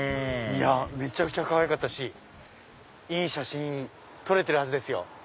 めちゃくちゃかわいかったしいい写真撮れてるはずですよ。